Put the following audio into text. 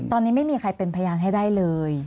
ตอนนี้ไม่มีใครเป็นพยานให้ได้เลย